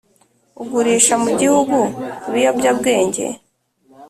ugurisha mu gihugu ibiyobyabwenge